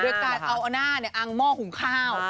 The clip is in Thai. ด้วยการเอาอันน่าอังหม้อขุมข้าว